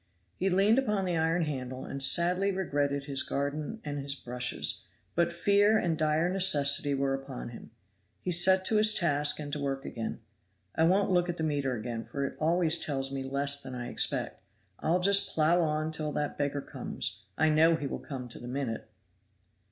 He leaned upon the iron handle and sadly regretted his garden and his brushes; but fear and dire necessity were upon him; he set to his task and to work again. "I won't look at the meter again, for it always tells me less than I expect. I'll just plow on till that beggar comes. I know he will come to the minute."